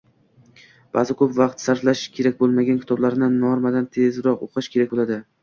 Baʼzi, koʻp vaqt sarflash kerak boʻlmagan kitoblarni normadan tezroq oʻqish kerak boʻladi